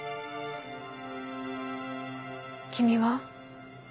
君は？